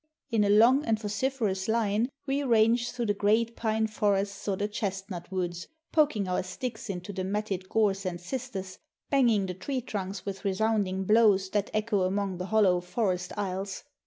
In a long and vociferous line we range through the great pine forests or the chestnut woods, poking our sticks into the matted gorse and cistus, banging the tree trunks with resounding blows that echo among the hol low forest aisles.